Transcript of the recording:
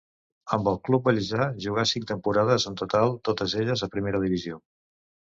Amb el club vallesà jugà cinc temporades en total, totes elles a primera divisió.